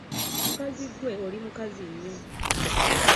Mukazi ggwe oli mukazi nnyo.